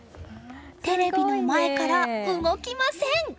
テレビの前から動きません！